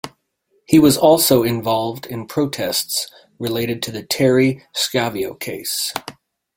He was also involved in protests related to the Terri Schiavo case.